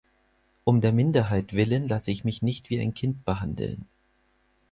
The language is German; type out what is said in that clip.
Um der Minderheit willen lasse ich mich nicht wie ein Kind behandeln.